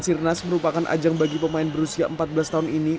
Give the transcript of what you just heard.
sirnas merupakan ajang bagi pemain berusia empat belas tahun ini